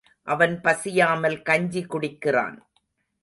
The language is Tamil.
அவன் பசியாமல் கஞ்சி குடிக்கிறான்.